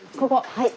はい。